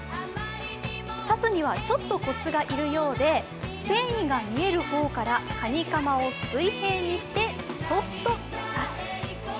差すにはちょっとコツが要るようで繊維が見える方からカニカマを水兵にしてそっとさす。